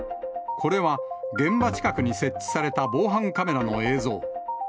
これは、現場近くに設置された防犯カメラの映像。